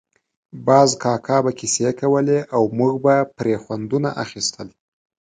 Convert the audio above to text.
باز کاکا به کیسې کولې او موږ به پرې خوندونه اخیستل.